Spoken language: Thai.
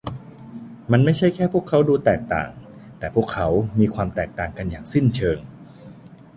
มันไม่ใช่แค่พวกเขาดูแตกต่าง แต่พวกเขามีความแตกต่างกันอย่างสิ้นเชิง